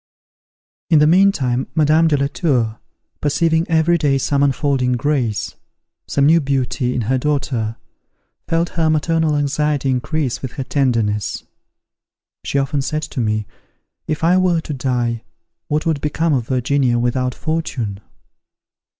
In the meantime Madame de la Tour, perceiving every day some unfolding grace, some new beauty, in her daughter, felt her maternal anxiety increase with her tenderness. She often said to me, "If I were to die, what would become of Virginia without fortune?"